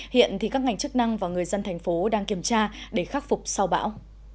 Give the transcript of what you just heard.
hiện thì các ngành chức năng và người dân thành phố đang kiểm tra để khắc phục sau bão